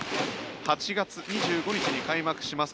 ８月２５日に開幕します。